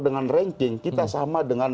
dengan ranking kita sama dengan